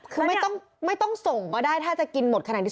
คือไม่ต้องส่งก็ได้ถ้าจะกินหมดขนาดที่